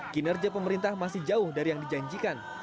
kinerja pemerintah masih jauh dari yang dijanjikan